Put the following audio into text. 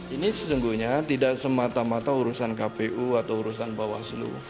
ini sesungguhnya tidak semata mata urusan kpu atau urusan bawaslu